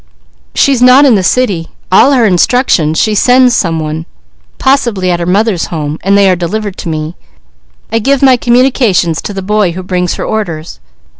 She's not in the city, all her instructions she sends some one, possibly at her mother's home, and they are delivered to me. I give my communications to the boy who brings her orders."